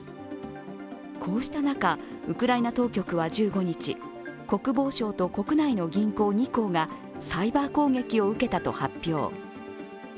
こうした中、ウクライナ当局は１５日国防省と国内の銀行２行がサイバー攻撃を受けたと発表。